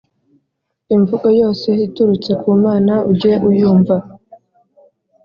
Imvugo yose iturutse ku Mana, ujye uyumva,